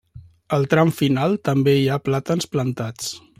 Al tram final també hi ha plàtans plantats.